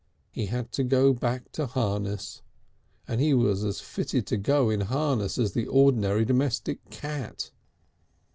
He had to go back to harness, and he was as fitted to go in harness as the ordinary domestic cat.